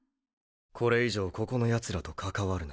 これ以上ここのヤツらと関わるな。